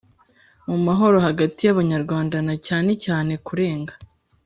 mu mahoro hagati y Abanyarwanda na cyanecyane kurenga